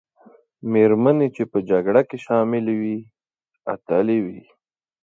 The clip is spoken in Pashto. مېرمنې چې په جګړه کې شاملي وې، اتلې وې.